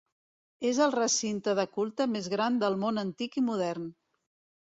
És el recinte de culte més gran del món antic i modern.